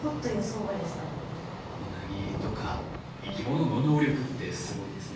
ウナギとか生き物の能力ってすごいですね。